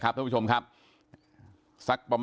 สวัสดีคุณผู้ชมครับสวัสดีคุณผู้ชมครับ